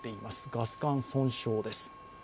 ガス管損傷です。